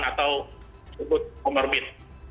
atau disebut umorbid